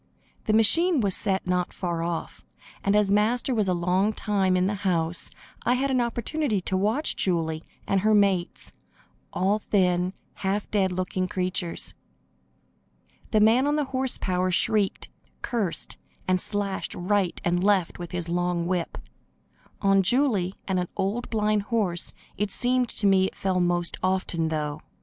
The machine was set not far off, and as Master was a long time in the house, I had an opportunity to watch Julie and her mates all thin, half dead looking creatures. The man on the horse power shrieked, cursed and slashed right and left with his long whip. On Julie and an old blind horse it seemed to me it fell most often, though.